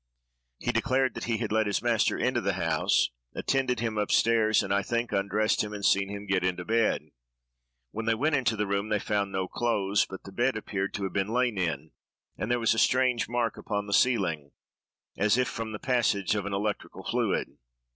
He declared that he had let his master into the house, attended him up stairs, and, I think, undressed him, and seen him get into bed. When they went to the room, they found no clothes; but the bed appeared to have been lain in, and there was a strange mark upon the ceiling, as if from the passage of an electrical fluid.